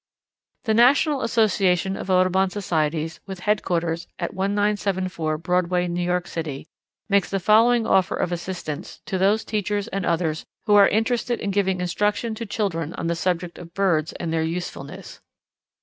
The National Association of Audubon Societies, with headquarters at 1974 Broadway, New York City, makes the following offer of assistance to those teachers and others who are interested in giving instruction to children on the subject of birds and their usefulness.